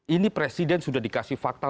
ini presiden sudah dikasih fakta